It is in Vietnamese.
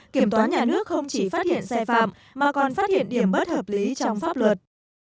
kiểm toán nhà nước không chỉ phát hiện sai phạm mà còn phát hiện điểm bất hợp lý trong pháp luật